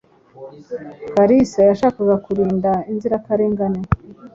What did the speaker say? Kalisa yashakaga kurinda inzirakarengane.